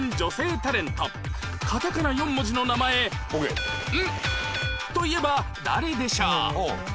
カタカナ４文字の名前「ン」といえば誰でしょう？